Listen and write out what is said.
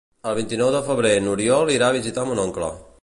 El vint-i-nou de febrer n'Oriol irà a visitar mon oncle.